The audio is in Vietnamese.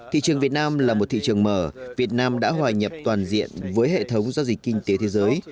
thị trường việt nam là một thị trường mở việt nam đã hòa nhập toàn diện với hệ thống giao dịch kinh tế thế giới